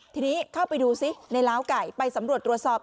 ทีนี้เข้าไปดูซิในล้าวไก่ไปสำรวจตรวจสอบ